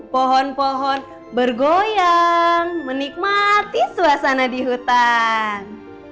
pohon pohon bergoyang menikmati suasana di hutan